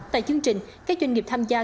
tại chương trình các doanh nghiệp tham gia